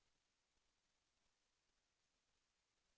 แสวได้ไงของเราก็เชียนนักอยู่ค่ะเป็นผู้ร่วมงานที่ดีมาก